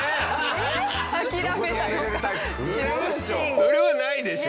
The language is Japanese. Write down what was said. それはないでしょ。